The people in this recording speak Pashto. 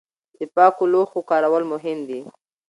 د پاکو لوښو کارول مهم دي.